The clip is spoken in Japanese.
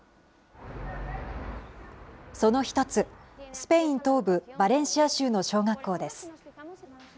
その一つ、スペイン東部バレンシア州の小学校です。